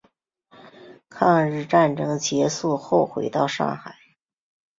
抗日战争结束后回到上海。